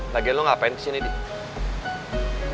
lagi lo ngapain disini dedi